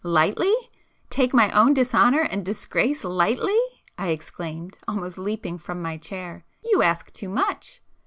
"Lightly!—take my own dishonour and disgrace lightly!" I exclaimed, almost leaping from my chair—"You ask too much!"